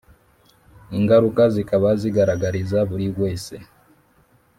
ingaruka zikaba zigaragariza buri wese,